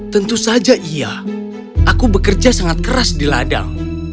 tentu saja iya aku bekerja sangat keras di ladang